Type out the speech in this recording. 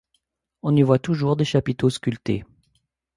On y voit toujours des chapiteaux sculptés.